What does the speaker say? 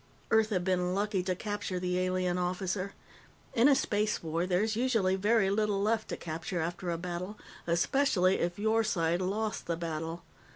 Earth had been lucky to capture the alien officer. In a space war, there's usually very little left to capture after a battle especially if your side lost the battle.